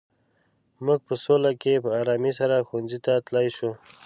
موږ په سوله کې په ارامۍ سره ښوونځي ته تلای شو.